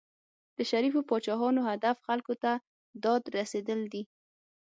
د شریفو پاچاهانو هدف خلکو ته داد رسېدل دي.